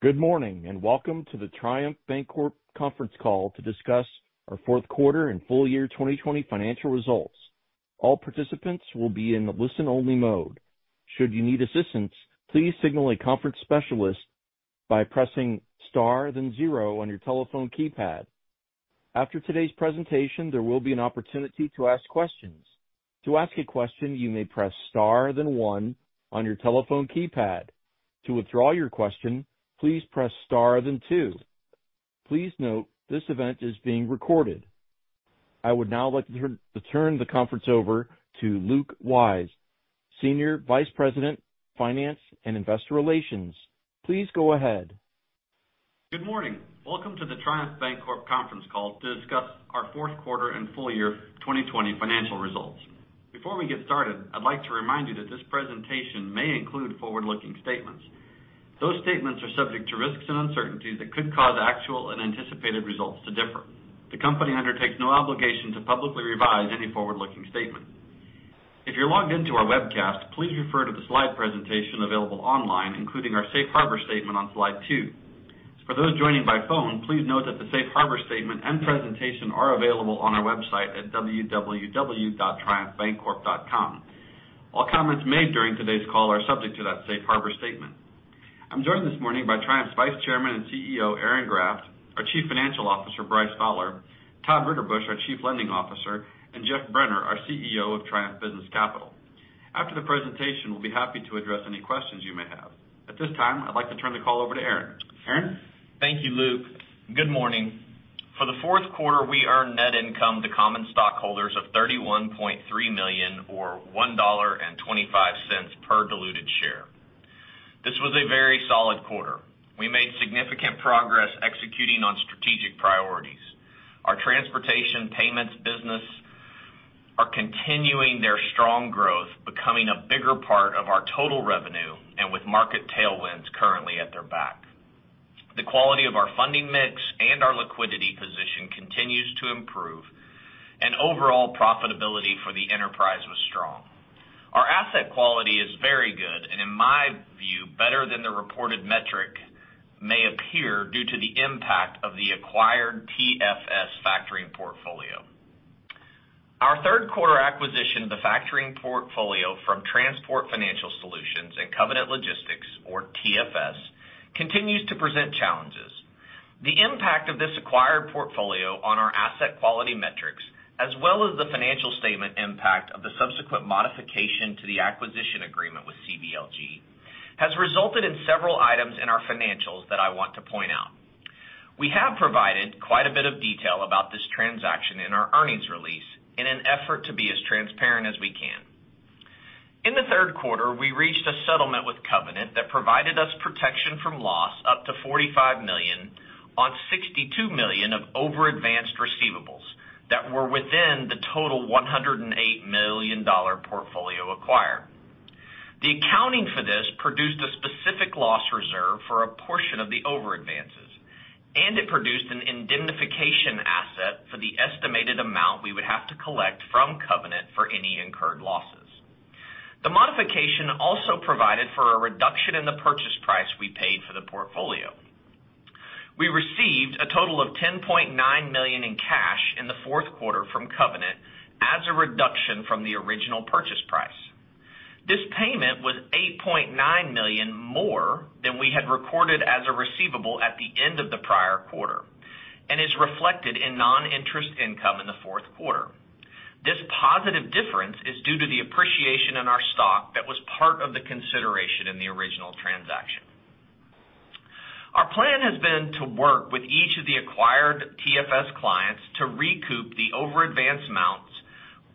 Good morning. Welcome to the Triumph Bancorp Conference Call to discuss our Fourth Quarter and Full Year 2020 Financial Results. I would now like to turn the conference over to Luke Wyse, Senior Vice President, Finance and Investor Relations. Please go ahead. Good morning. Welcome to the Triumph Bancorp conference call to discuss our fourth quarter and full year 2020 financial results. Before we get started, I'd like to remind you that this presentation may include forward-looking statements. Those statements are subject to risks and uncertainties that could cause actual and anticipated results to differ. The company undertakes no obligation to publicly revise any forward-looking statement. If you're logged in to our webcast, please refer to the slide presentation available online, including our safe harbor statement on slide two. For those joining by phone, please note that the safe harbor statement and presentation are available on our website at www.triumphbancorp.com. All comments made during today's call are subject to that safe harbor statement. I'm joined this morning by Triumph's Vice Chairman and CEO, Aaron Graft, our Chief Financial Officer, Bryce Fowler, Todd Ritterbusch, our Chief Lending Officer, and Geoff Brenner, our CEO of Triumph Business Capital. After the presentation, we'll be happy to address any questions you may have. At this time, I'd like to turn the call over to Aaron. Aaron? Thank you, Luke. Good morning. For the fourth quarter, we earned net income to common stockholders of $31.3 million or $1.25 per diluted share. This was a very solid quarter. We made significant progress executing on strategic priorities. Our transportation payments business are continuing their strong growth, becoming a bigger part of our total revenue and with market tailwinds currently at their back. Overall profitability for the enterprise was strong. Our asset quality is very good, in my view, better than the reported metric may appear due to the impact of the acquired TFS factoring portfolio. Our third quarter acquisition of the factoring portfolio from Transport Financial Solutions and Covenant Logistics, or TFS, continues to present challenges. The impact of this acquired portfolio on our asset quality metrics, as well as the financial statement impact of the subsequent modification to the acquisition agreement with CVLG, has resulted in several items in our financials that I want to point out. We have provided quite a bit of detail about this transaction in our earnings release in an effort to be as transparent as we can. In the third quarter, we reached a settlement with Covenant that provided us protection from loss up to $45 million on $62 million of over-advanced receivables that were within the total $108 million portfolio acquired. The accounting for this produced a specific loss reserve for a portion of the over advances, and it produced an indemnification asset for the estimated amount we would have to collect from Covenant for any incurred losses. The modification also provided for a reduction in the purchase price we paid for the portfolio. We received a total of $10.9 million in cash in the fourth quarter from Covenant as a reduction from the original purchase price. This payment was $8.9 million more than we had recorded as a receivable at the end of the prior quarter and is reflected in non-interest income in the fourth quarter. This positive difference is due to the appreciation in our stock that was part of the consideration in the original transaction. Our plan has been to work with each of the acquired TFS clients to recoup the over-advanced amounts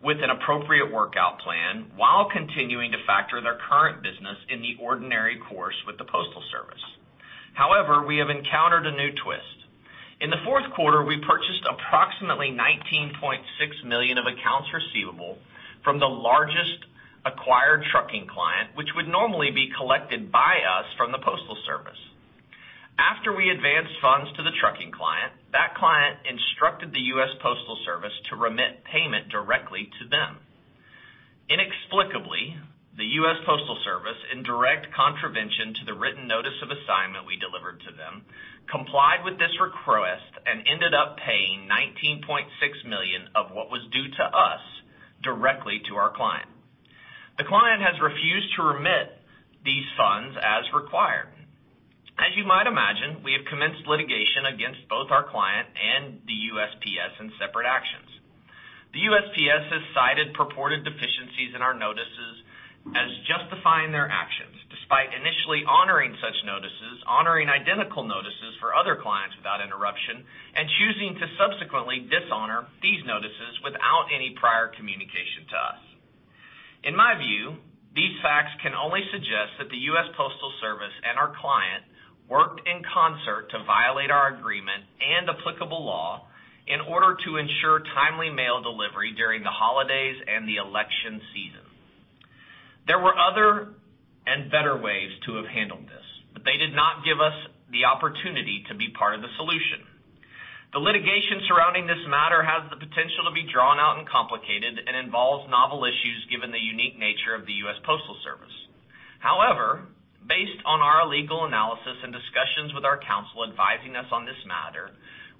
with an appropriate workout plan while continuing to factor their current business in the ordinary course with the Postal Service. However, we have encountered a new twist. In the fourth quarter, we purchased approximately $19.6 million of accounts receivable from the largest acquired trucking client, which would normally be collected by us from the Postal Service. After we advanced funds to the trucking client, that client instructed the U.S. Postal Service to remit payment directly to them. Inexplicably, the U.S. Postal Service, in direct contravention to the written notice of assignment we delivered to them, complied with this request and ended up paying $19.6 million of what was due to us directly to our client. The client has refused to remit these funds as required. As you might imagine, we have commenced litigation against both our client and the USPS in separate actions. The USPS has cited purported deficiencies in our notices as justifying their actions, despite initially honoring such notices, honoring identical notices for other clients without interruption, and choosing to subsequently dishonor these notices without any prior communication to us. In my view, these facts can only suggest that the United States Postal Service and our client worked in concert to violate our agreement and applicable law in order to ensure timely mail delivery during the holidays and the election season. There were other and better ways to have handled this, but they did not give us the opportunity to be part of the solution. The litigation surrounding this matter has the potential to be drawn out and complicated and involves novel issues given the unique nature of the United States Postal Service. Based on our legal analysis and discussions with our counsel advising us on this matter,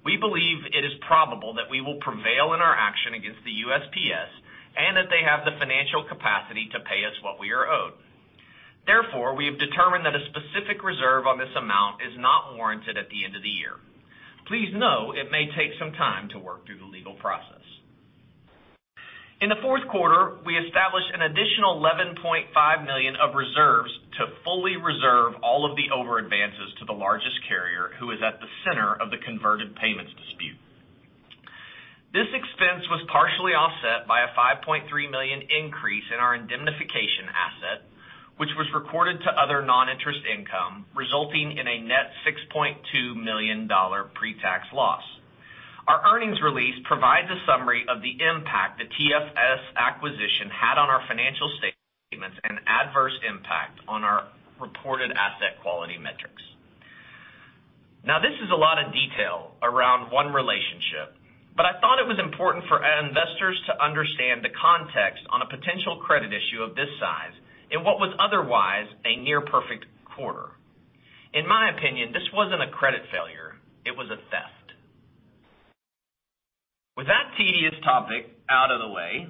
we believe it is probable that we will prevail in our action against the USPS, and that they have the financial capacity to pay us what we are owed. We have determined that a specific reserve on this amount is not warranted at the end of the year. Please know it may take some time to work through the legal process. In the fourth quarter, we established an additional $11.5 million of reserves to fully reserve all of the over advances to the largest carrier who is at the center of the converted payments dispute. This expense was partially offset by a $5.3 million increase in our indemnification asset, which was recorded to other non-interest income, resulting in a net $6.2 million pre-tax loss. Our earnings release provides a summary of the impact the TFS acquisition had on our financial statements and adverse impact on our reported asset quality metrics. This is a lot of detail around one relationship, but I thought it was important for our investors to understand the context on a potential credit issue of this size in what was otherwise a near-perfect quarter. In my opinion, this wasn't a credit failure, it was a theft. With that tedious topic out of the way,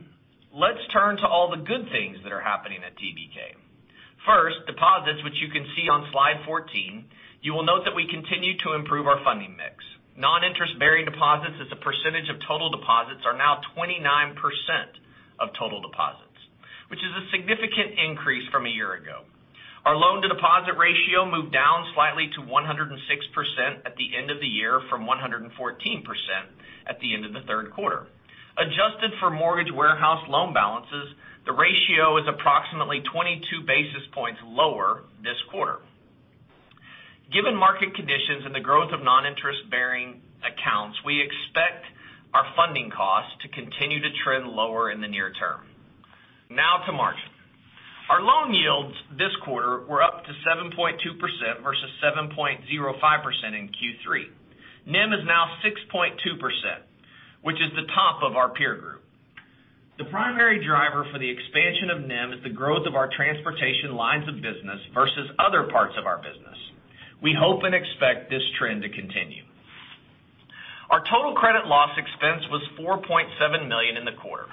let's turn to all the good things that are happening at TBK. Deposits, which you can see on slide 14. You will note that we continue to improve our funding mix. Non-interest-bearing deposits as a percentage of total deposits are now 29% of total deposits, which is a significant increase from a year ago. Our loan-to-deposit ratio moved down slightly to 106% at the end of the year from 114% at the end of the third quarter. Adjusted for mortgage warehouse loan balances, the ratio is approximately 22 basis points lower this quarter. Given market conditions and the growth of non-interest-bearing accounts, we expect our funding costs to continue to trend lower in the near term. Now to margin. Our loan yields this quarter were up to 7.2% versus 7.05% in Q3. NIM is now 6.2%, which is the top of our peer group. The primary driver for the expansion of NIM is the growth of our transportation lines of business versus other parts of our business. We hope and expect this trend to continue. Our total credit loss expense was $4.7 million in the quarter.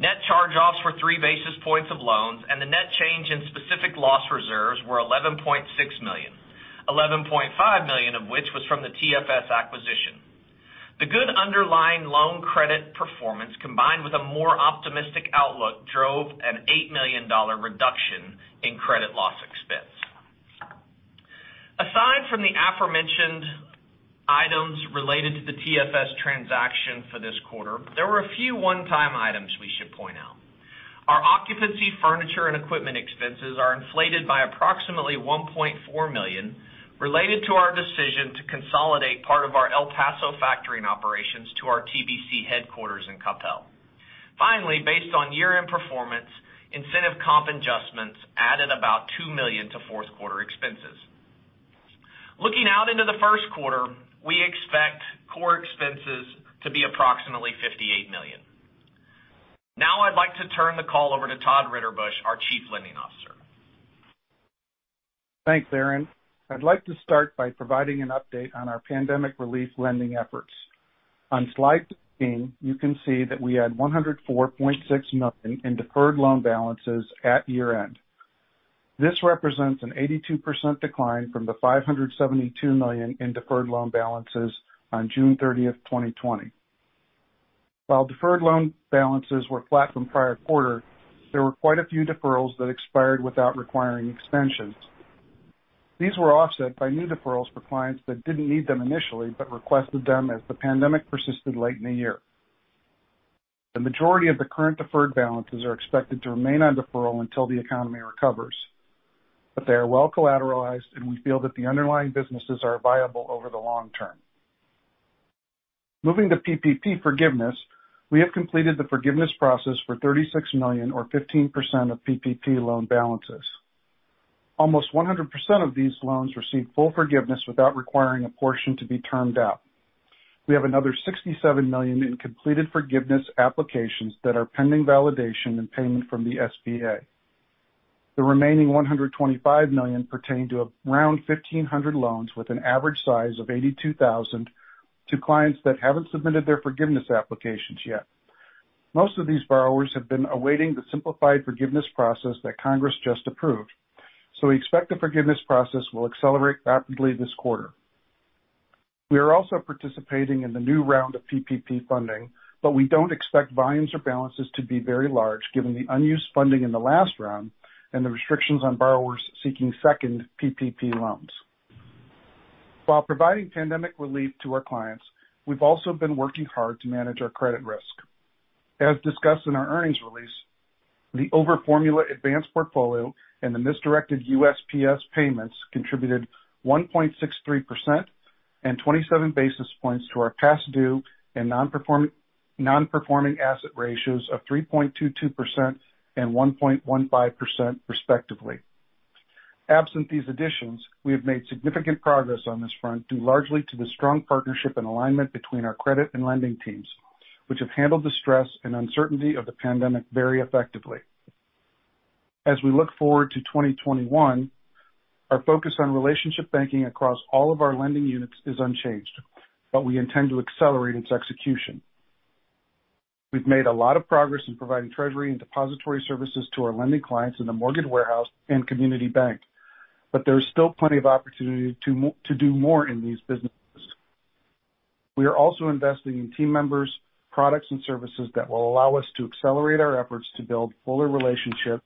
Net charge-offs were three basis points of loans, and the net change in specific loss reserves were $11.6 million, $11.5 million of which was from the TFS acquisition. The good underlying loan credit performance, combined with a more optimistic outlook, drove an $8 million reduction in credit loss expense. Aside from the aforementioned items related to the TFS transaction for this quarter, there were a few one-time items we should point out. Our occupancy furniture and equipment expenses are inflated by approximately $1.4 million related to our decision to consolidate part of our El Paso factoring operations to our TBC headquarters in Coppell. Finally, based on year-end performance, incentive comp adjustments added about $2 million to fourth quarter expenses. Looking out into the first quarter, we expect core expenses to be approximately $58 million. Now I'd like to turn the call over to Todd Ritterbusch, our Chief Lending Officer. Thanks, Aaron. I'd like to start by providing an update on our pandemic relief lending efforts. On slide 15, you can see that we had $104.6 million in deferred loan balances at year-end. This represents an 82% decline from the $572 million in deferred loan balances on June 30th, 2020. While deferred loan balances were flat from prior quarter, there were quite a few deferrals that expired without requiring extensions. These were offset by new deferrals for clients that didn't need them initially, but requested them as the pandemic persisted late in the year. The majority of the current deferred balances are expected to remain on deferral until the economy recovers. They are well collateralized, and we feel that the underlying businesses are viable over the long term. Moving to PPP forgiveness, we have completed the forgiveness process for $36 million or 15% of PPP loan balances. Almost 100% of these loans received full forgiveness without requiring a portion to be termed out. We have another $67 million in completed forgiveness applications that are pending validation and payment from the SBA. The remaining $125 million pertain to around 1,500 loans with an average size of $82,000 to clients that haven't submitted their forgiveness applications yet. Most of these borrowers have been awaiting the simplified forgiveness process that Congress just approved. We expect the forgiveness process will accelerate rapidly this quarter. We are also participating in the new round of PPP funding, but we don't expect volumes or balances to be very large given the unused funding in the last round and the restrictions on borrowers seeking second PPP loans. While providing pandemic relief to our clients, we've also been working hard to manage our credit risk. As discussed in our earnings release, the over-formula advance portfolio and the misdirected USPS payments contributed 1.63% and 27 basis points to our past due and non-performing asset ratios of 3.22% and 1.15%, respectively. Absent these additions, we have made significant progress on this front due largely to the strong partnership and alignment between our credit and lending teams, which have handled the stress and uncertainty of the pandemic very effectively. As we look forward to 2021, our focus on relationship banking across all of our lending units is unchanged, but we intend to accelerate its execution. We've made a lot of progress in providing treasury and depository services to our lending clients in the mortgage warehouse and community bank, but there is still plenty of opportunity to do more in these businesses. We are also investing in team members, products, and services that will allow us to accelerate our efforts to build fuller relationships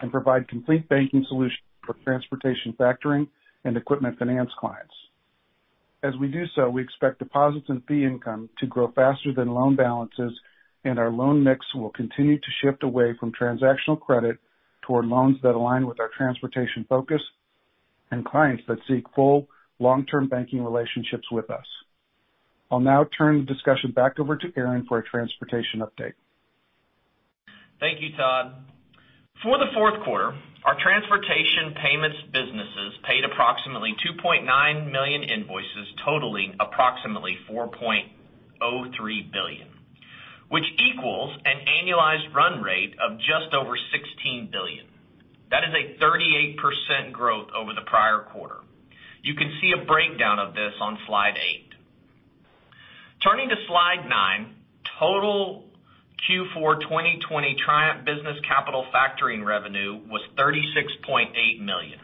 and provide complete banking solutions for transportation factoring and equipment finance clients. As we do so, we expect deposits and fee income to grow faster than loan balances, and our loan mix will continue to shift away from transactional credit toward loans that align with our transportation focus and clients that seek full long-term banking relationships with us. I'll now turn the discussion back over to Aaron for a transportation update. Thank you, Todd. For the fourth quarter, our transportation payments businesses paid approximately 2.9 million invoices totaling approximately $4.03 billion, which equals an annualized run rate of just over $16 billion. That is a 38% growth over the prior quarter. You can see a breakdown of this on slide eight. Turning to slide nine, total Q4 2020 Triumph Business Capital Factoring revenue was $36.8 million.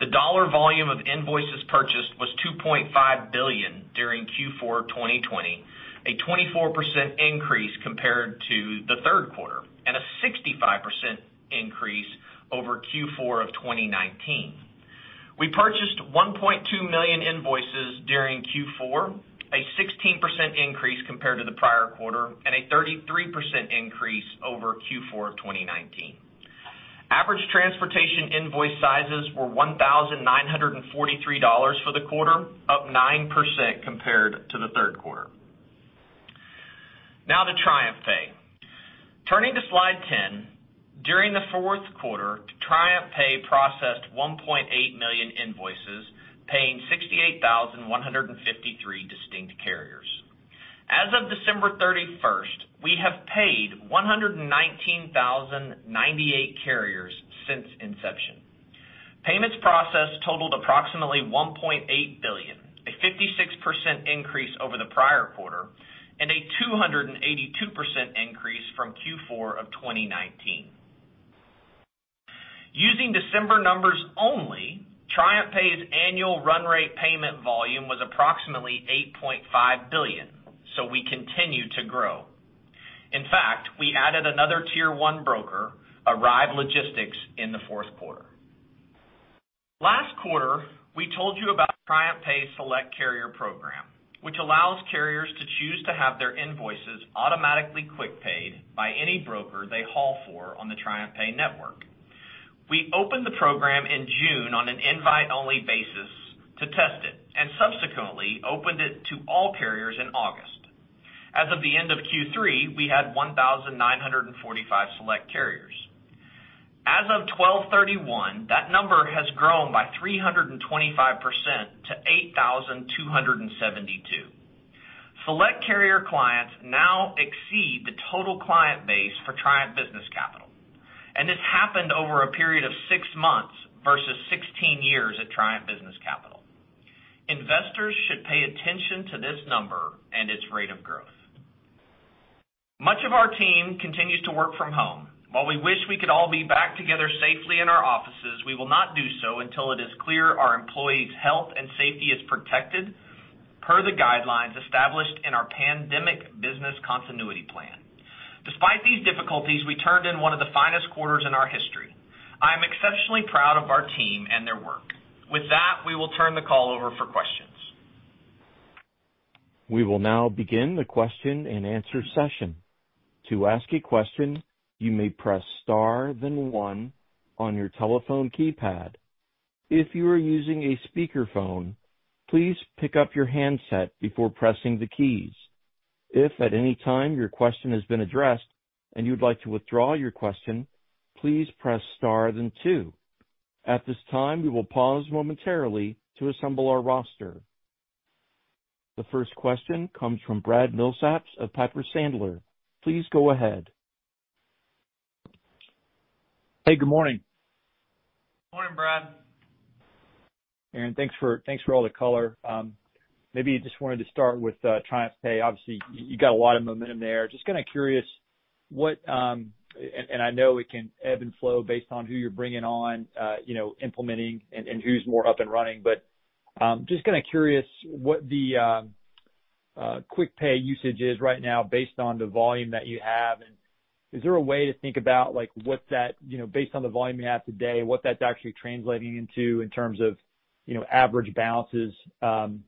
The dollar volume of invoices purchased was $2.5 billion during Q4 2020, a 24% increase compared to the third quarter, and a 65% increase over Q4 of 2019. We purchased 1.2 million invoices during Q4, a 16% increase compared to the prior quarter, and a 33% increase over Q4 of 2019. Average transportation invoice sizes were $1,943 for the quarter, up 9% compared to the third quarter. Now to TriumphPay. Turning to slide 10. During the fourth quarter, TriumphPay processed 1.8 million invoices, paying 68,153 distinct carriers. As of December 31st, we have paid 119,098 carriers since inception. Payments processed totaled approximately $1.8 billion, a 56% increase over the prior quarter, a 282% increase from Q4 2019. Using December numbers only, TriumphPay's annual run rate payment volume was approximately $8.5 billion. We continue to grow. In fact, we added another tier 1 broker, Arrive Logistics, in the fourth quarter. Last quarter, we told you about TriumphPay Select Carrier Program, which allows carriers to choose to have their invoices automatically QuickPaid by any broker they haul for on the TriumphPay network. Subsequently opened the program in June on an invite-only basis to test it, and opened it to all carriers in August. As of the end of Q3, we had 1,945 Select carriers. As of 12/31, that number has grown by 325% to 8,272. Select carrier clients now exceed the total client base for Triumph Business Capital. This happened over a period of six months versus 16 years at Triumph Business Capital. Investors should pay attention to this number and its rate of growth. Much of our team continues to work from home. While we wish we could all be back together safely in our offices, we will not do so until it is clear our employees' health and safety is protected per the guidelines established in our pandemic business continuity plan. Despite these difficulties, we turned in one of the finest quarters in our history. I'm exceptionally proud of our team and their work. With that, we will turn the call over for questions. We will now begin the question and answer session. To ask a question, you may press star then one on your telephone keypad. If you are using a speakerphone, please pick up your handset before pressing the keys. If at any time your question has been addressed and you'd like to withdraw your question, please press star then two. At this time, we will pause momentarily to assemble our roster. The first question comes from Brad Milsaps of Piper Sandler. Please go ahead. Hey, good morning. Morning, Brad. Aaron, thanks for all the color. Maybe just wanted to start with TriumphPay. Obviously, you got a lot of momentum there. Just kind of curious, and I know it can ebb and flow based on who you're bringing on, implementing and who's more up and running. Just kind of curious what the QuickPay usage is right now based on the volume that you have. Is there a way to think about, based on the volume you have today, what that's actually translating into in terms of average balances on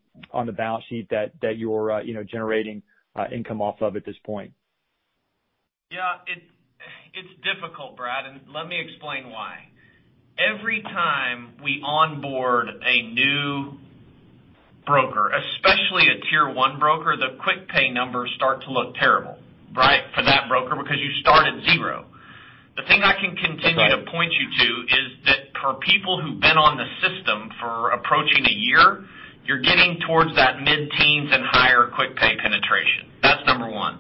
the balance sheet that you're generating income off of at this point? Yeah. It's difficult, Brad, and let me explain why. Every time we onboard a new broker, especially a Tier 1 broker, the QuickPay numbers start to look terrible. Because you start at zero. Okay To point you to is that for people who've been on the system for approaching a year, you're getting towards that mid-teens and higher QuickPay penetration. That's number one.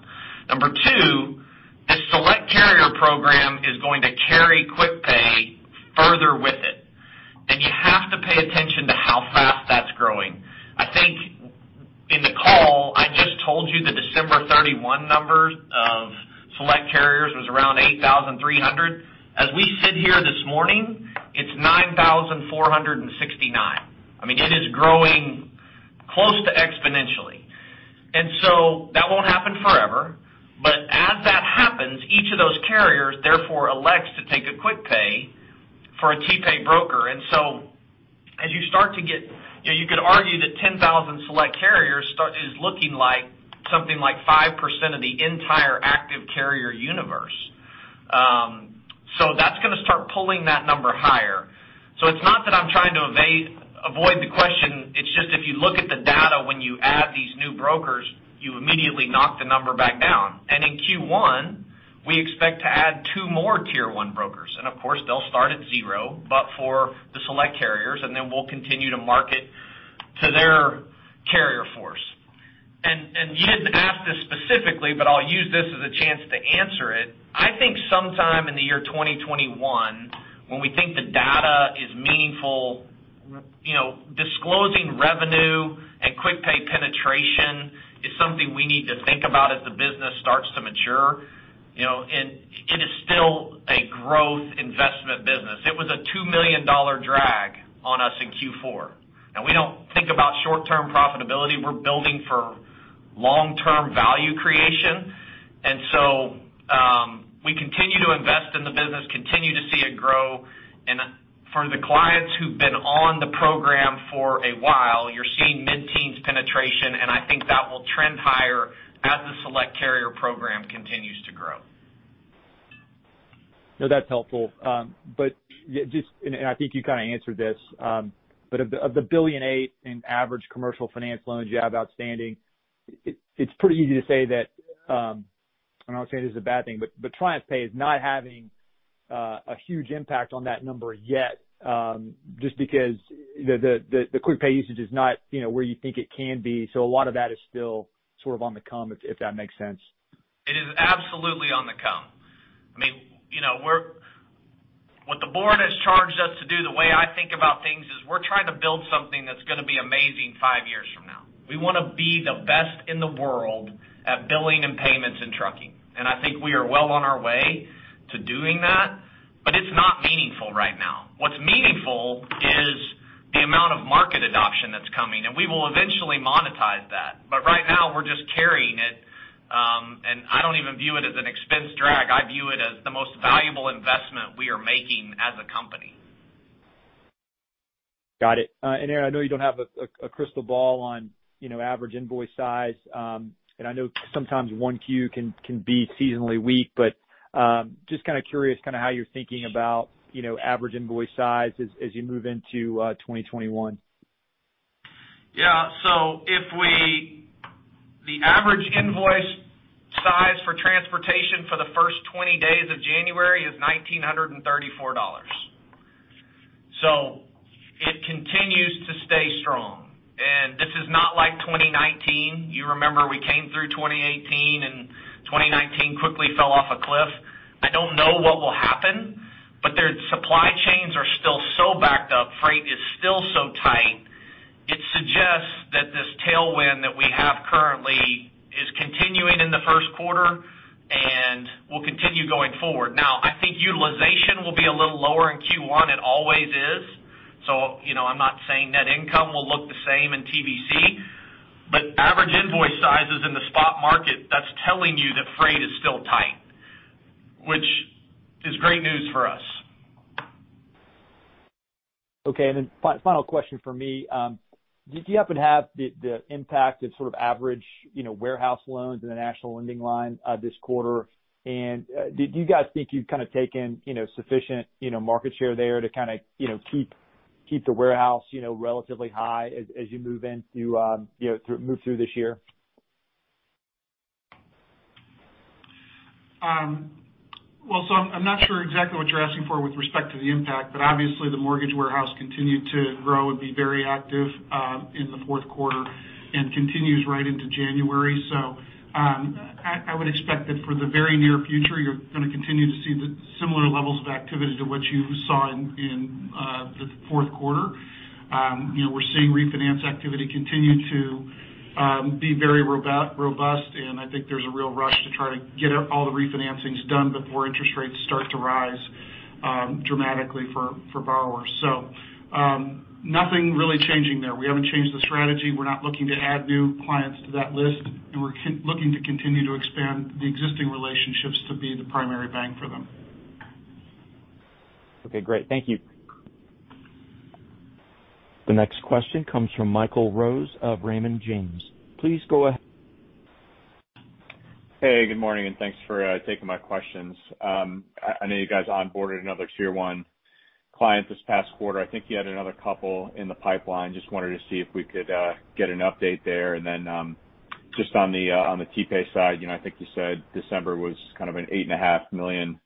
Number two, the Select Carrier Program is going to carry QuickPay further with it, and you have to pay attention to how fast that's growing. I think in the call, I just told you the December 31 numbers of select carriers was around 8,300. As we sit here this morning, it's 9,469. It is growing close to exponentially. That won't happen forever, but as that happens, each of those carriers therefore elects to take a QuickPay for a TPay broker. You could argue that 10,000 select carriers is looking like something like 5% of the entire active carrier universe. That's going to start pulling that number higher. It's not that I'm trying to avoid the question, it's just if you look at the data when you add these new brokers, you immediately knock the number back down. In Q1, we expect to add two more tier 1 brokers. Of course, they'll start at zero, but for the select carriers, and then we'll continue to market to their carrier force. You didn't ask this specifically, but I'll use this as a chance to answer it. I think sometime in the year 2021, when we think the data is meaningful, disclosing revenue and QuickPay penetration is something we need to think about as the business starts to mature. It is still a growth investment business. It was a $2 million drag on us in Q4. We don't think about short-term profitability. We're building for long-term value creation. We continue to invest in the business, continue to see it grow. For the clients who've been on the program for a while, you're seeing mid-teens penetration, and I think that will trend higher as the Select Carrier Program continues to grow. No, that's helpful. Just, and I think you kind of answered this, but of the $1.8 billion in average commercial finance loans you have outstanding, it's pretty easy to say that, I'm not saying this is a bad thing, but TriumphPay is not having a huge impact on that number yet, just because the QuickPay usage is not where you think it can be. A lot of that is still sort of on the come, if that makes sense. It is absolutely on the come. What the board has charged us to do, the way I think about things, is we're trying to build something that's going to be amazing five years from now. We want to be the best in the world at billing and payments in trucking. I think we are well on our way to doing that, but it's not meaningful right now. What's meaningful is the amount of market adoption that's coming, and we will eventually monetize that. Right now we're just carrying it. I don't even view it as an expense drag. I view it as the most valuable investment we are making as a company. Got it. Aaron, I know you don't have a crystal ball on average invoice size. I know sometimes 1Q can be seasonally weak, but just kind of curious how you're thinking about average invoice size as you move into 2021. Yeah. The average invoice size for transportation for the first 20 days of January is $1,934. It continues to stay strong, this is not like 2019. You remember we came through 2018, 2019 quickly fell off a cliff. I don't know what will happen, their supply chains are still so backed up. Freight is still so tight. It suggests that this tailwind that we have currently is continuing in the first quarter and will continue going forward. Now, I think utilization will be a little lower in Q1. It always is. I'm not saying net income will look the same in TBC, average invoice sizes in the spot market, that's telling you that freight is still tight, which is great news for us. Okay. Final question from me. Did you happen to have the impact of sort of average Mortgage Warehouse loans in the national lending line this quarter? Did you guys think you've kind of taken sufficient market share there to keep the Mortgage Warehouse relatively high as you move through this year? I'm not sure exactly what you're asking for with respect to the impact, but obviously the Mortgage Warehouse continued to grow and be very active in the fourth quarter and continues right into January. I would expect that for the very near future, you're going to continue to see the similar levels of activity to what you saw in the fourth quarter. We're seeing refinance activity continue to be very robust, and I think there's a real rush to try to get all the refinancings done before interest rates start to rise dramatically for borrowers. Nothing really changing there. We haven't changed the strategy. We're not looking to add new clients to that list, and we're looking to continue to expand the existing relationships to be the primary bank for them. Okay, great. Thank you. The next question comes from Michael Rose of Raymond James. Please go ahead. Hey, good morning, thanks for taking my questions. I know you guys onboarded another tier 1 client this past quarter. I think you had another couple in the pipeline. Just wanted to see if we could get an update there. Just on the TPay side, I think you said December was an $8.5 million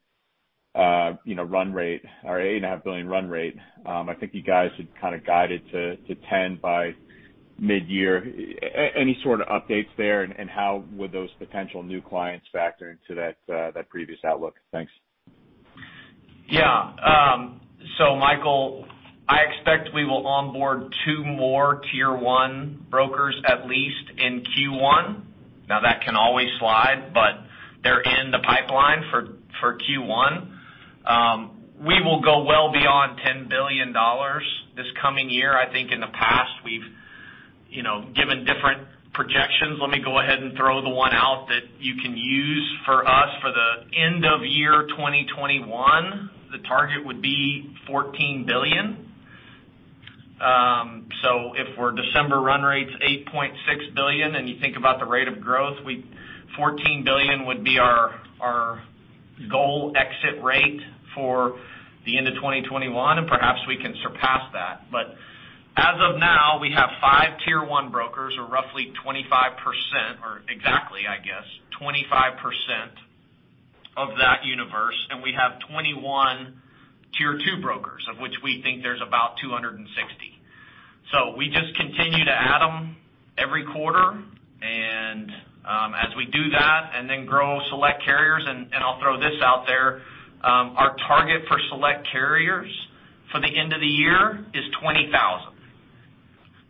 run rate. I think you guys had guided to 10 by mid-year. Any sort of updates there? How would those potential new clients factor into that previous outlook? Thanks. Michael, I expect we will onboard two more Tier 1 brokers, at least in Q1. That can always slide, they're in the pipeline for Q1. We will go well beyond $10 billion this coming year. I think in the past we've given different projections. Let me go ahead and throw the one out that you can use for us for the end of year 2021. The target would be $14 billion. If our December run rate's $8.6 billion and you think about the rate of growth, $14 billion would be our goal exit rate for the end of 2021 and perhaps we can surpass that. As of now, we have five Tier 1 brokers or exactly 25% of that universe. We have 21 Tier 2 brokers, of which we think there's about 260. We just continue to add them every quarter. As we do that and then grow Select Carriers, I'll throw this out there, our target for Select Carriers for the end of the year is 20,000.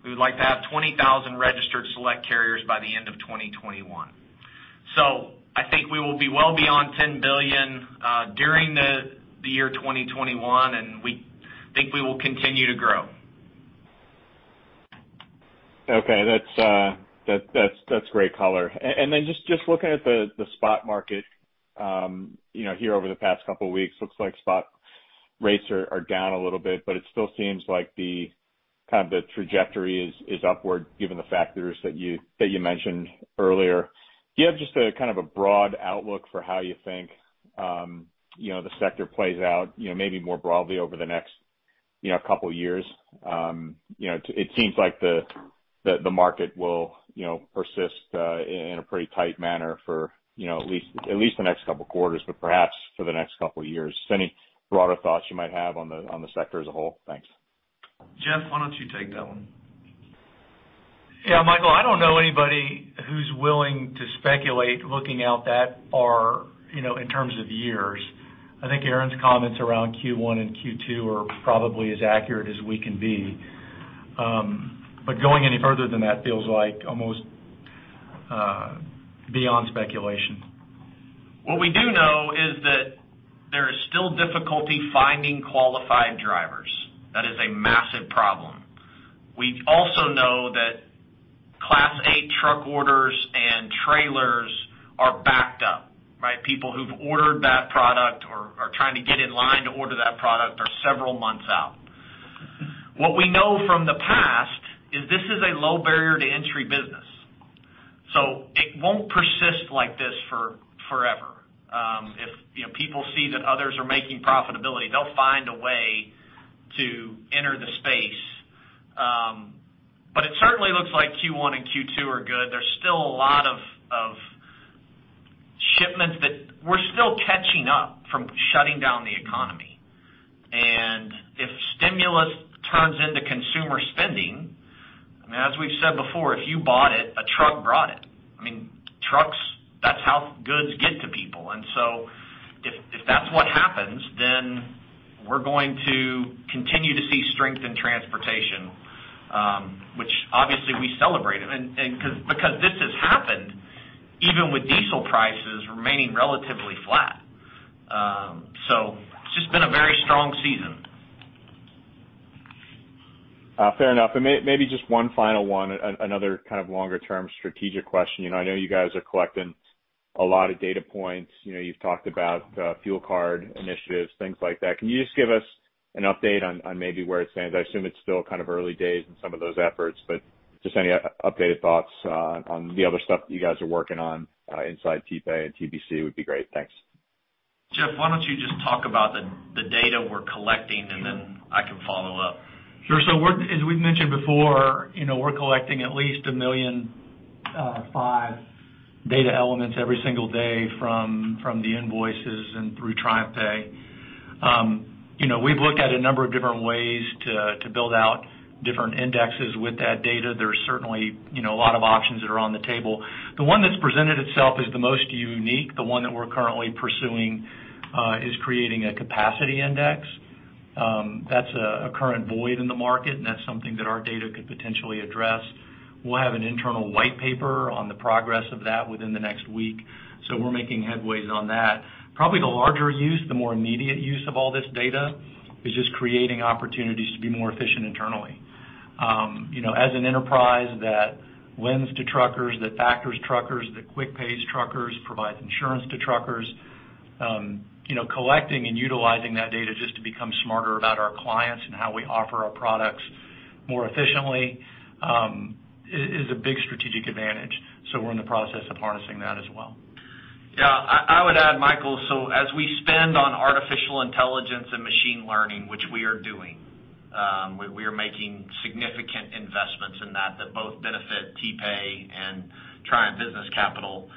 We would like to have 20,000 registered Select Carriers by the end of 2021. I think we will be well beyond $10 billion during the year 2021, and we think we will continue to grow. Okay. That's great color. Just looking at the spot market here over the past couple of weeks, looks like spot rates are down a little bit, but it still seems like the trajectory is upward given the factors that you mentioned earlier. Do you have just a broad outlook for how you think the sector plays out maybe more broadly over the next couple of years? It seems like the market will persist in a pretty tight manner for at least the next couple of quarters, but perhaps for the next couple of years. Just any broader thoughts you might have on the sector as a whole. Thanks. Geoff, why don't you take that one? Yeah, Michael, I don't know anybody who's willing to speculate looking out that far in terms of years. I think Aaron's comments around Q1 and Q2 are probably as accurate as we can be. Going any further than that feels like almost beyond speculation. What we do know is that there is still difficulty finding qualified drivers. That is a massive problem. We also know that Class 8 truck orders and trailers are backed up, right? People who've ordered that product or are trying to get in line to order that product are several months out. What we know from the past is this is a low barrier to entry business. It won't persist like this forever. If people see that others are making profitability, they'll find a way to enter the space. It certainly looks like Q1 and Q2 are good. There's still a lot of shipments that we're still catching up from shutting down the economy. If stimulus turns into consumer spending, I mean, as we've said before, if you bought it, a truck brought it. Trucks, that's how goods get to people. If that's what happens, then we're going to continue to see strength in transportation, which obviously we celebrate. Because this has happened even with diesel prices remaining relatively flat. It's just been a very strong season. Fair enough. Maybe just one final one, another kind of longer term strategic question. I know you guys are collecting a lot of data points. You've talked about fuel card initiatives, things like that. Can you just give us an update on maybe where it stands? I assume it's still early days in some of those efforts, but just any updated thoughts on the other stuff you guys are working on inside TPay and TBC would be great. Thanks. Geoff, why don't you just talk about the data we're collecting and then I can follow up. Sure. As we've mentioned before, we're collecting at least 1.5 million Data elements every single day from the invoices and through TriumphPay. We've looked at a number of different ways to build out different indexes with that data. There's certainly a lot of options that are on the table. The one that's presented itself as the most unique, the one that we're currently pursuing, is creating a capacity index. That's a current void in the market, and that's something that our data could potentially address. We'll have an internal white paper on the progress of that within the next week, so we're making headways on that. Probably the larger use, the more immediate use of all this data is just creating opportunities to be more efficient internally. As an enterprise that lends to truckers, that factors truckers, that QuickPays truckers, provides insurance to truckers, collecting and utilizing that data just to become smarter about our clients and how we offer our products more efficiently is a big strategic advantage. We're in the process of harnessing that as well. Yeah, I would add, Michael, as we spend on artificial intelligence and machine learning, which we are doing, we are making significant investments in that both benefit TPay and Triumph Business Capital.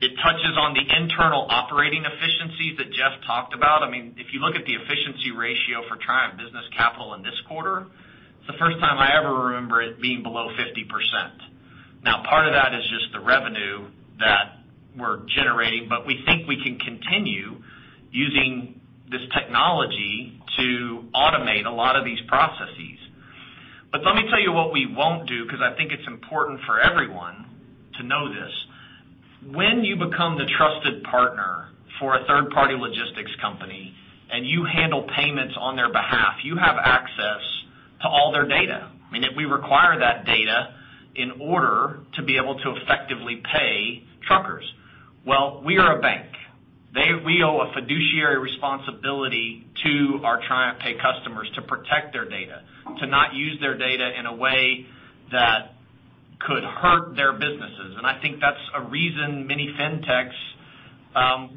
It touches on the internal operating efficiencies that Geoff talked about. If you look at the efficiency ratio for Triumph Business Capital in this quarter, it's the first time I ever remember it being below 50%. Part of that is just the revenue that we're generating, but we think we can continue using this technology to automate a lot of these processes. Let me tell you what we won't do, because I think it's important for everyone to know this. When you become the trusted partner for a third-party logistics company and you handle payments on their behalf, you have access to all their data. That we require that data in order to be able to effectively pay truckers. Well, we are a bank. We owe a fiduciary responsibility to our TriumphPay customers to protect their data, to not use their data in a way that could hurt their businesses. I think that's a reason many fintechs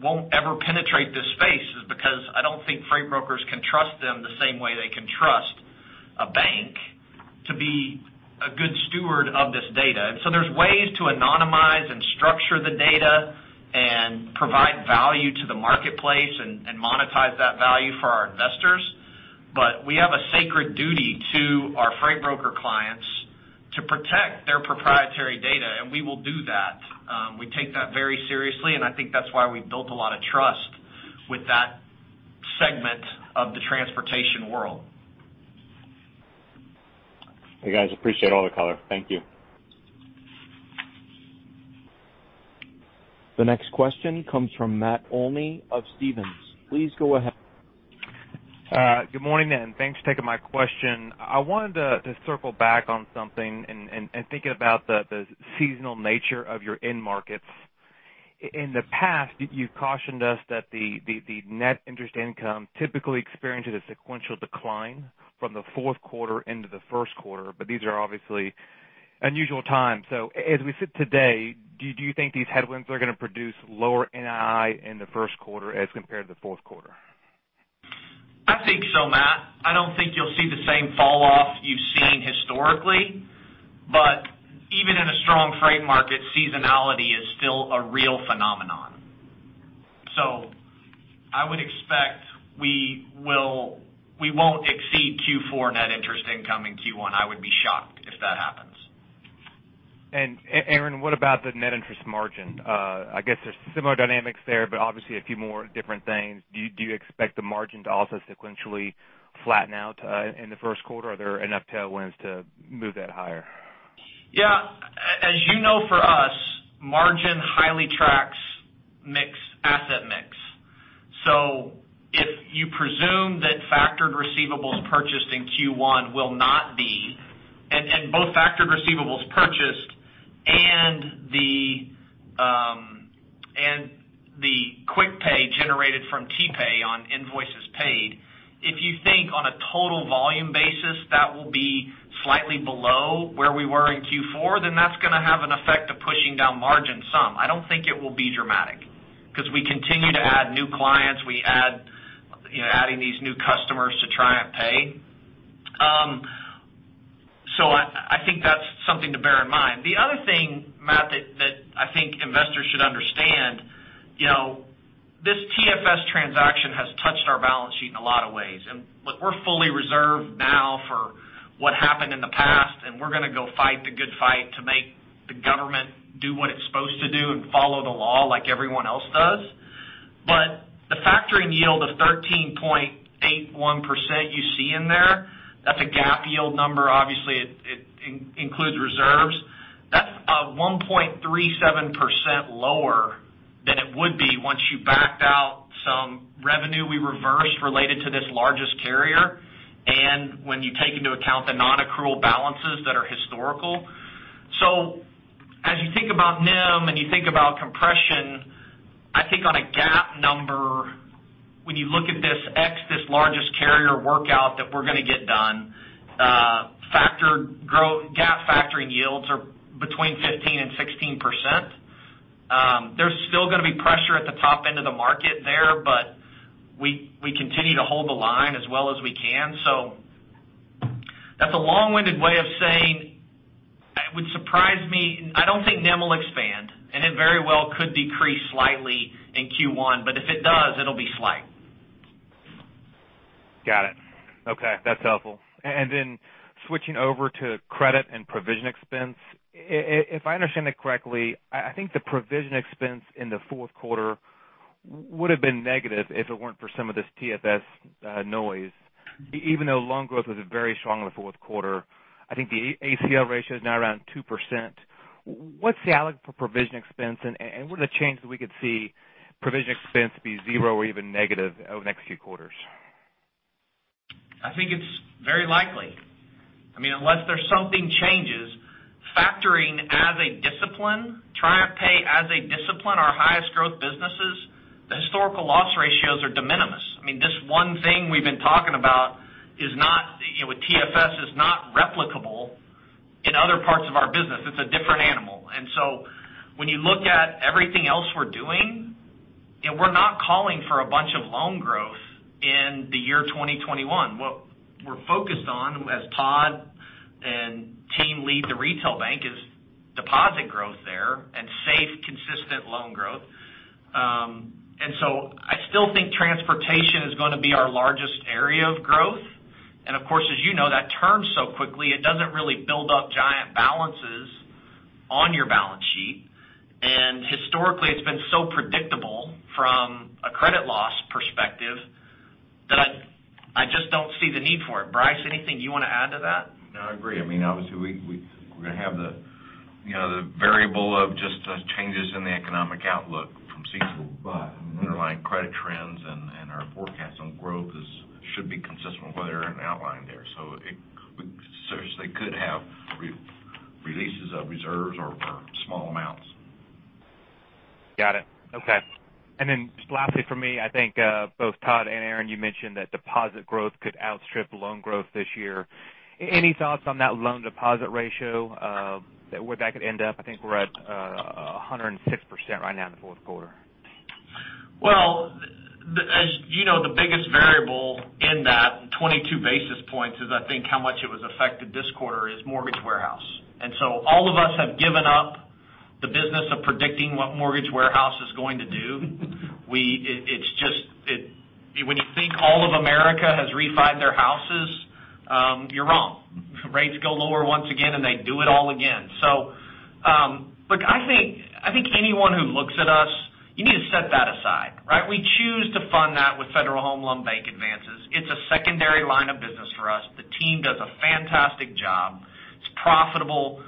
won't ever penetrate this space, is because I don't think freight brokers can trust them the same way they can trust a bank to be a good steward of this data. There's ways to anonymize and structure the data and provide value to the marketplace and monetize that value for our investors. We have a sacred duty to our freight broker clients to protect their proprietary data, and we will do that. We take that very seriously, and I think that's why we've built a lot of trust with that segment of the transportation world. Hey, guys, appreciate all the color. Thank you. The next question comes from Matt Olney of Stephens. Please go ahead. Good morning, thanks for taking my question. I wanted to circle back on something and thinking about the seasonal nature of your end markets. In the past, you cautioned us that the net interest income typically experiences a sequential decline from the fourth quarter into the first quarter, but these are obviously unusual times. As we sit today, do you think these headwinds are going to produce lower NII in the first quarter as compared to the fourth quarter? I think so, Matt. I don't think you'll see the same fall off you've seen historically, but even in a strong freight market, seasonality is still a real phenomenon. I would expect we won't exceed Q4 net interest income in Q1. I would be shocked if that happens. Aaron, what about the net interest margin? I guess there's similar dynamics there, but obviously a few more different things. Do you expect the margin to also sequentially flatten out in the first quarter? Are there enough tailwinds to move that higher? Yeah. As you know, for us, margin highly tracks asset mix. If you presume that factored receivables purchased in Q1 will not be, and both factored receivables purchased and the QuickPay generated from TPay on invoices paid, if you think on a total volume basis that will be slightly below where we were in Q4, that's going to have an effect of pushing down margin some. I don't think it will be dramatic because we continue to add new clients. We are adding these new customers to TriumphPay. I think that's something to bear in mind. The other thing, Matt, that I think investors should understand, this TFS transaction has touched our balance sheet in a lot of ways. Look, we're fully reserved now for what happened in the past, and we're going to go fight the good fight to make the government do what it's supposed to do and follow the law like everyone else does. The factoring yield of 13.81% you see in there, that's a GAAP yield number. Obviously, it includes reserves. That's 1.37% lower than it would be once you backed out some revenue we reversed related to this largest carrier, and when you take into account the non-accrual balances that are historical. As you think about NIM and you think about compression, I think on a GAAP number, when you look at this X, this largest carrier workout that we're going to get done, GAAP factoring yields are between 15% and 16%. There's still going to be pressure at the top end of the market there, but we continue to hold the line as well as we can. That's a long-winded way of saying it would surprise me. I don't think NIM will expand, and it very well could decrease slightly in Q1, but if it does, it'll be slight. Got it. Okay, that's helpful. Switching over to credit and provision expense. If I understand that correctly, I think the provision expense in the fourth quarter would have been negative if it weren't for some of this TFS noise. Even though loan growth was very strong in the fourth quarter, I think the ACL ratio is now around 2%. What's the outlook for provision expense, and what are the changes we could see provision expense be zero or even negative over the next few quarters? I think it's very likely. Unless there's something changes, factoring as a discipline, TriumphPay as a discipline, our highest growth businesses, the historical loss ratios are de minimis. This one thing we've been talking about with TFS is parts of our business, it's a different animal. When you look at everything else we're doing, and we're not calling for a bunch of loan growth in the year 2021. What we're focused on, as Todd and team lead the retail bank, is deposit growth there and safe, consistent loan growth. I still think transportation is going to be our largest area of growth. Of course, as you know, that turns so quickly, it doesn't really build up giant balances on your balance sheet. Historically, it's been so predictable from a credit loss perspective that I just don't see the need for it. Bryce, anything you want to add to that? No, I agree. We're going to have the variable of just the changes in the economic outlook from seasonal. Underlying credit trends and our forecast on growth should be consistent with what Aaron outlined there. It could have releases of reserves or small amounts. Got it. Okay. Then just lastly from me, I think, both Todd and Aaron, you mentioned that deposit growth could outstrip loan growth this year. Any thoughts on that loan deposit ratio, where that could end up? I think we're at 106% right now in the fourth quarter. As you know, the biggest variable in that 22 basis points is I think how much it was affected this quarter is Mortgage Warehouse. All of us have given up the business of predicting what Mortgage Warehouse is going to do. When you think all of America has refied their houses, you're wrong. Rates go lower once again, and they do it all again. Look, I think anyone who looks at us, you need to set that aside, right? We choose to fund that with Federal Home Loan Bank advances. It's a secondary line of business for us. The team does a fantastic job. It's profitable.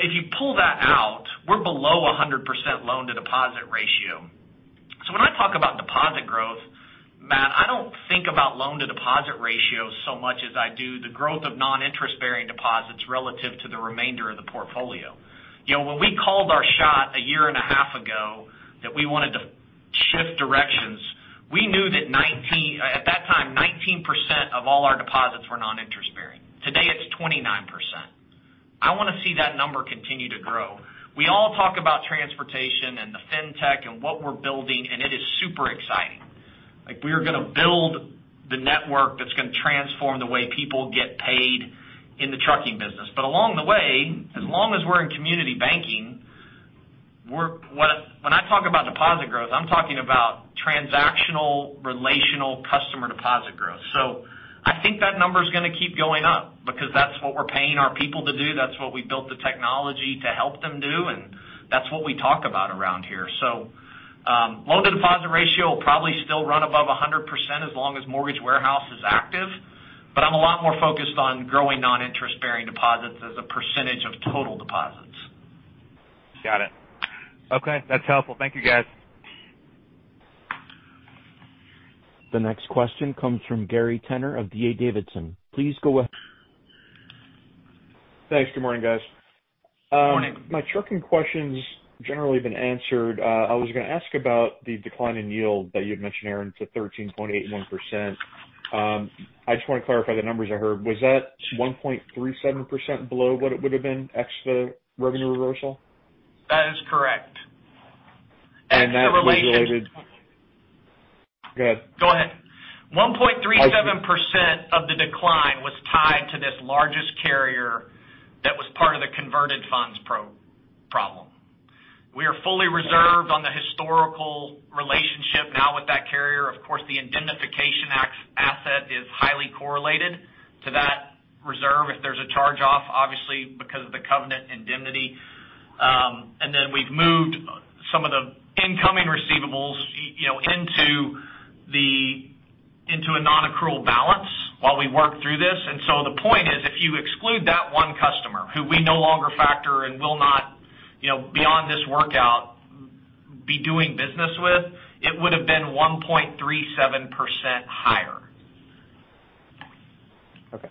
If you pull that out, we're below 100% loan-to-deposit ratio. When I talk about deposit growth, Matt, I don't think about loan-to-deposit ratio so much as I do the growth of non-interest-bearing deposits relative to the remainder of the portfolio. When we called our shot a year and a half ago that we wanted to shift directions, we knew that at that time, 19% of all our deposits were non-interest-bearing. Today, it's 29%. I want to see that number continue to grow. We all talk about transportation and the fintech and what we're building, and it is super exciting. We are going to build the network that's going to transform the way people get paid in the trucking business. Along the way, as long as we're in community banking, when I talk about deposit growth, I'm talking about transactional, relational customer deposit growth. I think that number's going to keep going up because that's what we're paying our people to do, that's what we built the technology to help them do, and that's what we talk about around here. Loan-to-deposit ratio will probably still run above 100% as long as Mortgage Warehouse is active. I'm a lot more focused on growing non-interest-bearing deposits as a % of total deposits. Got it. Okay. That's helpful. Thank you, guys. The next question comes from Gary Tenner of D.A. Davidson. Please go ahead. Thanks. Good morning, guys. Morning. My trucking question's generally been answered. I was going to ask about the decline in yield that you had mentioned, Aaron, to 13.81%. I just want to clarify the numbers I heard. Was that 1.37% below what it would've been, ex the revenue reversal? That is correct. Go ahead. Go ahead. 1.37% of the decline was tied to this largest carrier that was part of the converted funds problem. We are fully reserved on the historical relationship now with that carrier. Of course, the indemnification asset is highly correlated to that reserve if there's a charge-off, obviously because of the Covenant indemnity. Then we've moved some of the incoming receivables into a non-accrual balance while we work through this. So the point is, if you exclude that one customer who we no longer factor and will not, beyond this workout, be doing business with, it would've been 1.37% higher. Okay.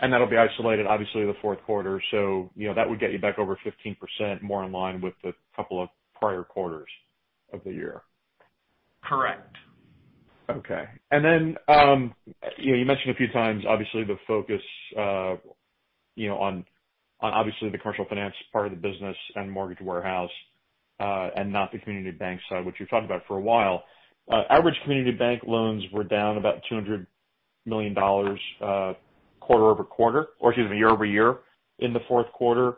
That'll be isolated, obviously, to the fourth quarter. That would get you back over 15%, more in line with the couple of prior quarters of the year. Correct. Okay. You mentioned a few times, obviously, the focus on obviously the commercial finance part of the business and Mortgage Warehouse, and not the community bank side, which you've talked about for a while. Average community bank loans were down about $200 million year-over-year in the fourth quarter.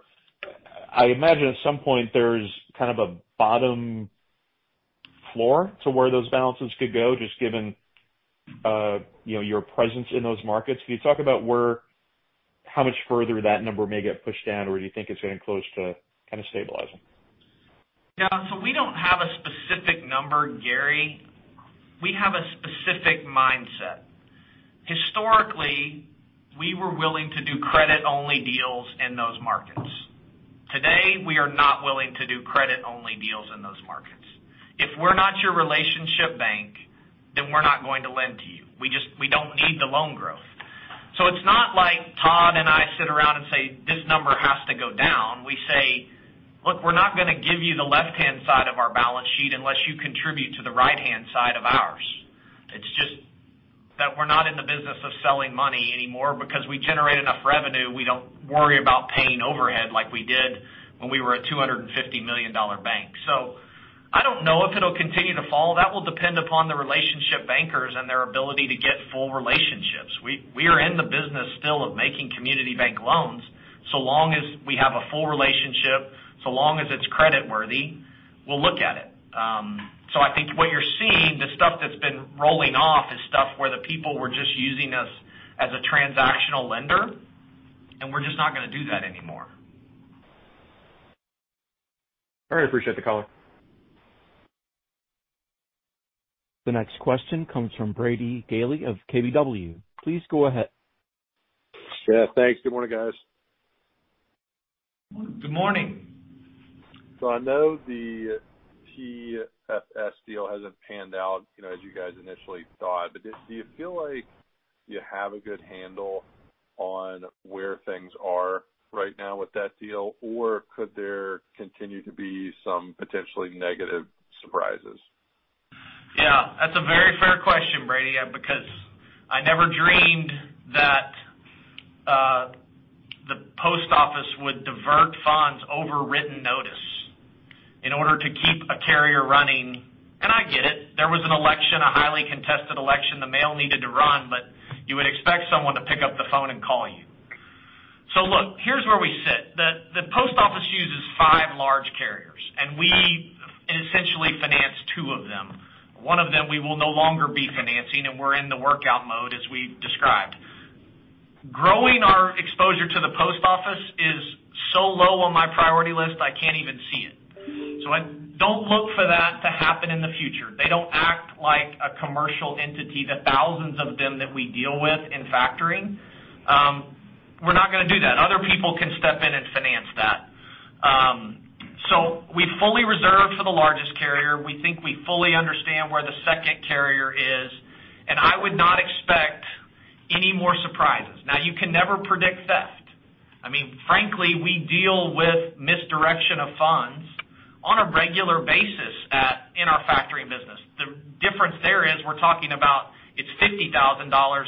I imagine at some point there's kind of a bottom floor to where those balances could go, just given your presence in those markets. Can you talk about how much further that number may get pushed down? Do you think it's getting close to kind of stabilizing? Yeah. We don't have a specific number, Gary. We have a specific mindset. Historically, we were willing to do credit-only deals in those markets. Today, we are not willing to do credit-only deals in those markets. If we're not your relationship bank, then we're not going to lend to you. We don't need the loan growth. It's not like Todd and I sit around and say, "This number has to go down." We say, "Look, we're not going to give you the left-hand side of our balance sheet unless you contribute to the right-hand side of ours." We're not in the business of selling money anymore because we generate enough revenue. We don't worry about paying overhead like we did when we were a $250 million bank. I don't know if it'll continue to fall. That will depend upon the relationship bankers and their ability to get full relationships. We are in the business still of making community bank loans. Long as we have a full relationship, so long as it's creditworthy, we'll look at it. I think what you're seeing, the stuff that's been rolling off is stuff where the people were just using us as a transactional lender, and we're just not going to do that anymore. All right. Appreciate the color. The next question comes from Brady Gailey of KBW. Please go ahead. Yeah, thanks. Good morning, guys. Good morning. I know the TFS deal hasn't panned out, as you guys initially thought. Do you feel like you have a good handle on where things are right now with that deal, or could there continue to be some potentially negative surprises? Yeah, that's a very fair question, Brady, because I never dreamed that the Postal Service would divert funds over written notice in order to keep a carrier running. I get it. There was an election, a highly contested election. The mail needed to run, you would expect someone to pick up the phone and call you. Look, here's where we sit. The Postal Service uses five large carriers, and we essentially finance two of them. One of them we will no longer be financing, and we're in the workout mode as we described. Growing our exposure to the Postal Service is so low on my priority list I can't even see it. Don't look for that to happen in the future. They don't act like a commercial entity, the thousands of them that we deal with in factoring. We're not going to do that. Other people can step in and finance that. We fully reserved for the largest carrier. We think we fully understand where the second carrier is, and I would not expect any more surprises. You can never predict theft. Frankly, we deal with misdirection of funds on a regular basis in our factoring business. The difference there is we're talking about it's $50,000,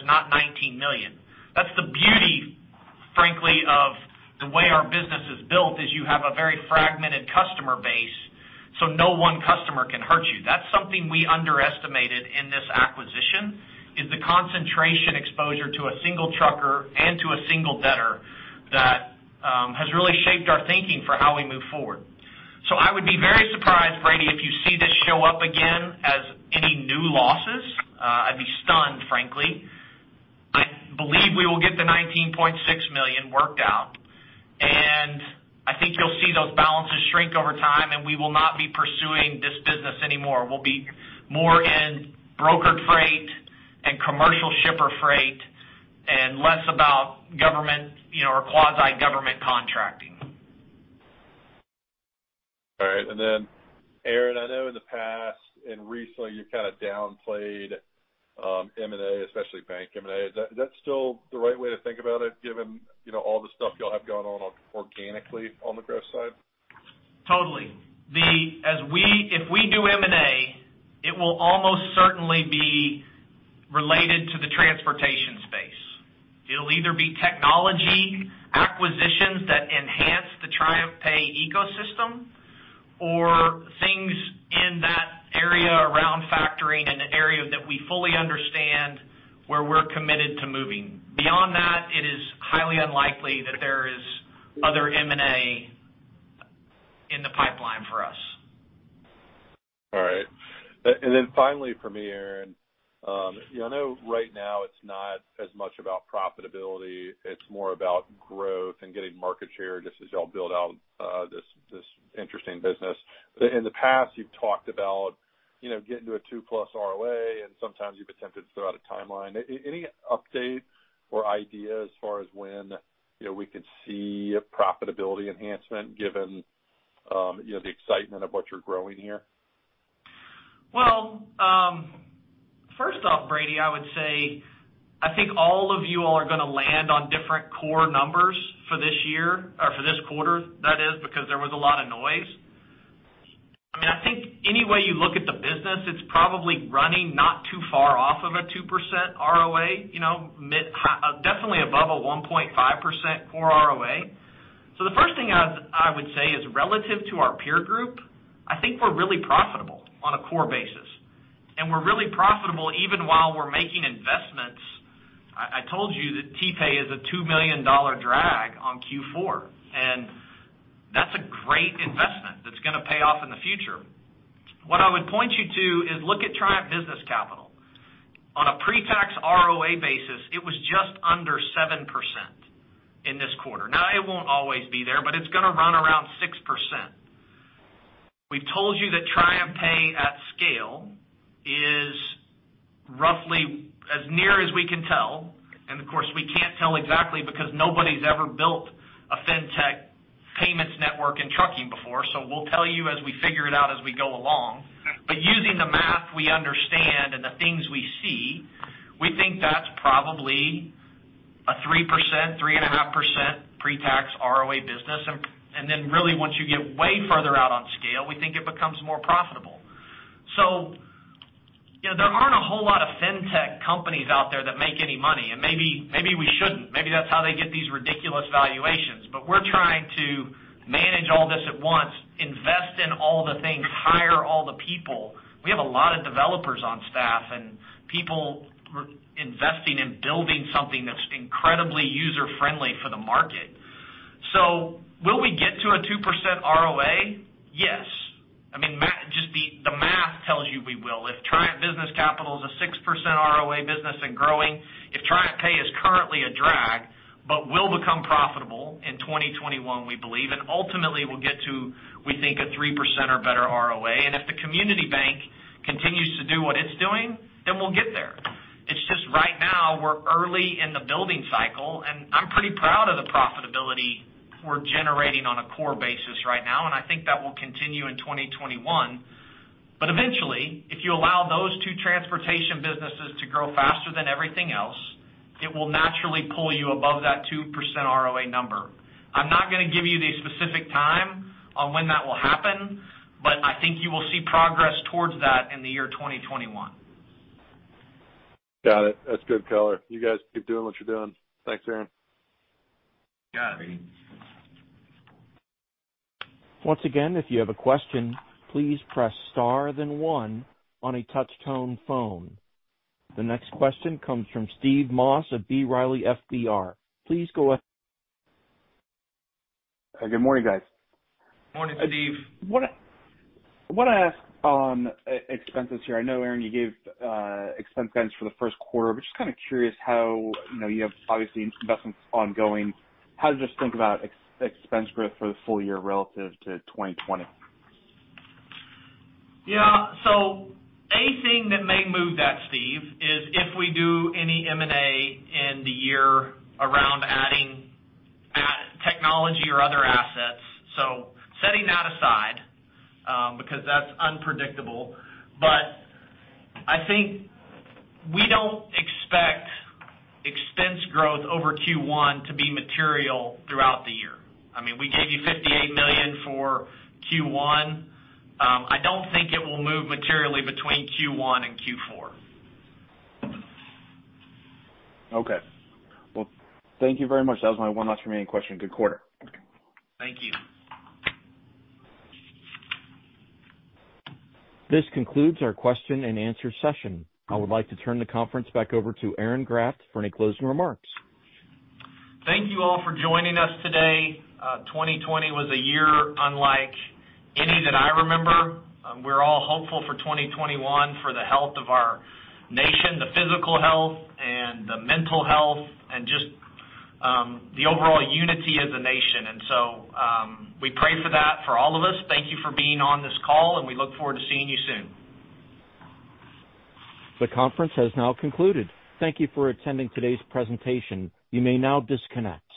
not $19 million. That's the beauty, frankly, of the way our business is built is you have a very fragmented customer base, so no one customer can hurt you. That's something we underestimated in this acquisition is the concentration exposure to a single trucker and to a single debtor that has really shaped our thinking for how we move forward. I would be very surprised, Brady, if you see this show up again as any new losses. I'd be stunned, frankly. I believe we will get the $19.6 million worked out. I think you'll see those balances shrink over time. We will not be pursuing this business anymore. We'll be more in brokered freight and commercial shipper freight and less about government or quasi-government contracting. All right. Then Aaron, I know in the past and recently you kind of downplayed M&A, especially bank M&A. Is that still the right way to think about it given all the stuff you all have going on organically on the growth side? Totally. If we do M&A, it will almost certainly be related to the transportation space. It'll either be technology acquisitions that enhance the TriumphPay ecosystem or things in that area around factoring in an area that we fully understand where we're committed to moving. Beyond that, it is highly unlikely that there is other M&A in the pipeline for us. All right. Finally from me, Aaron, I know right now it's not as much about profitability. It's more about growth and getting market share just as you all build out this interesting business. In the past, you've talked about getting to a 2+ ROA, and sometimes you've attempted to throw out a timeline. Any update or idea as far as when we could see a profitability enhancement given the excitement of what you're growing here? First off, Brady, I would say, I think all of you all are going to land on different core numbers for this year or for this quarter, that is because there was a lot of noise. I think any way you look at the business, it's probably running not too far off of a 2% ROA, definitely above a 1.5% core ROA. The first thing I would say is relative to our peer group, I think we're really profitable on a core basis. We're really profitable even while we're making investments. I told you that TPay is a $2 million drag on Q4, and that's a great investment that's going to pay off in the future. What I would point you to is look at Triumph Business Capital. On a pre-tax ROA basis, it was just under 7% in this quarter. It won't always be there, but it's going to run around 6%. We've told you that TriumphPay at scale is roughly as near as we can tell, and of course, we can't tell exactly because nobody's ever built a fintech payments network in trucking before. We'll tell you as we figure it out as we go along. Using the math we understand and the things we see, we think that's probably 3%, 3.5% pre-tax ROA business. Really once you get way further out on scale, we think it becomes more profitable. There aren't a whole lot of fintech companies out there that make any money, and maybe we shouldn't. Maybe that's how they get these ridiculous valuations. We're trying to manage all this at once, invest in all the things, hire all the people. We have a lot of developers on staff, and people investing in building something that's incredibly user-friendly for the market. Will we get to a 2% ROA? Yes. I mean, just the math tells you we will. If Triumph Business Capital is a 6% ROA business and growing, if TriumphPay is currently a drag but will become profitable in 2021, we believe, and ultimately we'll get to, we think, a 3% or better ROA. If the community bank continues to do what it's doing, then we'll get there. It's just right now, we're early in the building cycle, and I'm pretty proud of the profitability we're generating on a core basis right now, and I think that will continue in 2021. Eventually, if you allow those two transportation businesses to grow faster than everything else, it will naturally pull you above that 2% ROA number. I'm not going to give you the specific time on when that will happen. I think you will see progress towards that in the year 2021. Got it. That's good color. You guys keep doing what you're doing. Thanks, Aaron. Got it. Once again, if you have a question, please press star then one on a touch-tone phone. The next question comes from Steve Moss of B. Riley FBR. Good morning, guys. Morning, Steve. I want to ask on expenses here. I know, Aaron, you gave expense guidance for the first quarter, but just kind of curious how you have obviously investments ongoing. How to just think about expense growth for the full year relative to 2020? Yeah. A thing that may move that, Steve, is if we do any M&A in the year around adding technology or other assets. Setting that aside because that's unpredictable. I think we don't expect expense growth over Q1 to be material throughout the year. I mean, we gave you $58 million for Q1. I don't think it will move materially between Q1 and Q4. Okay. Well, thank you very much. That was my one last remaining question. Good quarter. Thank you. This concludes our question and answer session. I would like to turn the conference back over to Aaron Graft for any closing remarks. Thank you all for joining us today. 2020 was a year unlike any that I remember. We're all hopeful for 2021 for the health of our nation, the physical health and the mental health, and just the overall unity as a nation. We pray for that for all of us. Thank you for being on this call, and we look forward to seeing you soon. The conference has now concluded. Thank you for attending today's presentation. You may now disconnect.